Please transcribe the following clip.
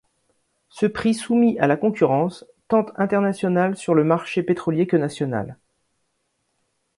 Ce prix soumis à la concurrence, tant internationale sur le marché pétrolier que nationale.